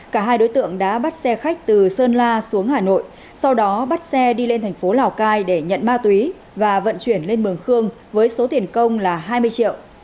cả hai đối tượng đã bắt xe khách từ sơn la xuống hà nội sau đó bắt xe đi lên thành phố lào cai để nhận ma túy và vận chuyển lên mường khương với số tiền công là hai mươi triệu